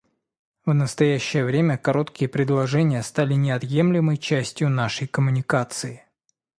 В настоящее время короткие предложения стали неотъемлемой частью нашей коммуникации.